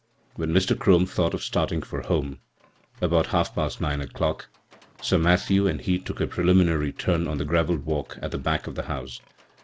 When Mr. Crome thought of starting for home, about half past nine o'clock, Sir Matthew and he took a preliminary turn on the gravelled walk at the back of the house.